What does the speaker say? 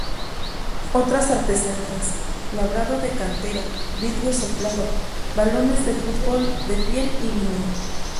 Otras artesanías: labrado de cantera, vidrio soplado, balones de fútbol de piel y vinil.